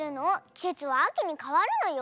きせつはあきにかわるのよ。